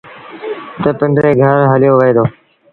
تا پنڊري گھر هليو وهي دو۔